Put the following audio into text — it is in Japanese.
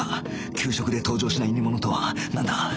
給食で登場しない煮物とはなんだ？